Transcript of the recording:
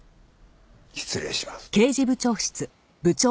失礼します。